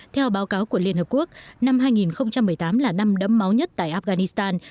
theo báo cáo của liên hợp quốc năm hai nghìn một mươi tám là năm đẫm máu nhất tại afghanistan